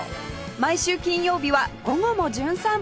毎週金曜日は『午後もじゅん散歩』